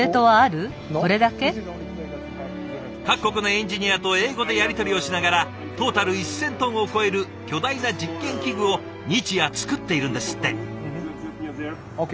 各国のエンジニアと英語でやり取りをしながらトータル１，０００トンを超える巨大な実験器具を日夜作っているんですって。ＯＫ。